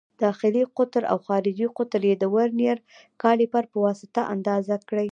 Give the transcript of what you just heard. داخلي قطر او خارجي قطر یې د ورنیز کالیپر په واسطه اندازه کړئ.